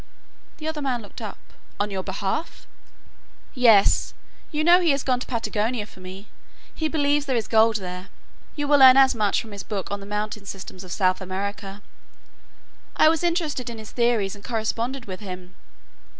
The other man looked up. "On your behalf?" "Yes you know he has gone to Patagonia for me. He believes there is gold there you will learn as much from his book on the mountain systems of South America. I was interested in his theories and corresponded with him.